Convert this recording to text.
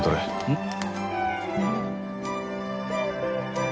うん。